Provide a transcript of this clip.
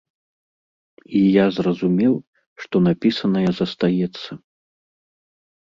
І я зразумеў, што напісанае застаецца.